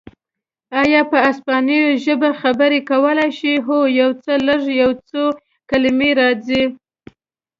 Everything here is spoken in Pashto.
ایا په اسپانوي ژبه خبرې کولای شې؟ هو، یو څه لږ، یو څو کلمې راځي.